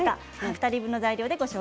２人分の材料です。